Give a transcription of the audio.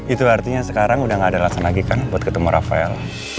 itu artinya sekarang udah gak ada alasan lagi kan buat ketemu rafael